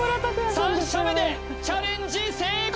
３射目でチャレンジ成功！